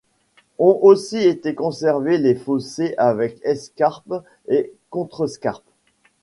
Ont aussi été conservés les fossés avec escarpe et contrescarpe.